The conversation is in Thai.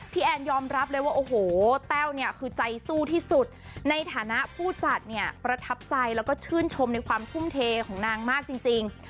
แอนยอมรับเลยว่าโอ้โหแต้วเนี่ยคือใจสู้ที่สุดในฐานะผู้จัดเนี่ยประทับใจแล้วก็ชื่นชมในความทุ่มเทของนางมากจริง